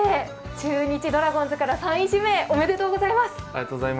中日ドラゴンズから３位指名おめでとうございます！